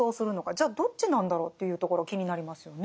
じゃあどっちなんだろうというところ気になりますよね。